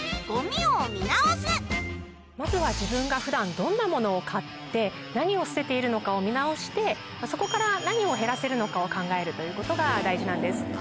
まずは自分が普段どんなものを買って何を捨てているのかを見直してそこから何を減らせるのかを考えるということが大事なんです。